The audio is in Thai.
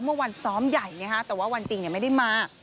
เมื่อวันซ้อมใหญ่แต่ว่าวันจริงไม่ได้มา